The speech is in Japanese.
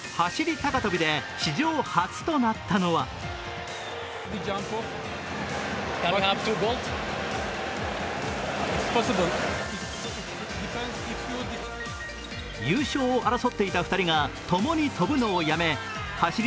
高跳びで史上初となったのは優勝を争っていた２人がともに跳ぶのをやめ走り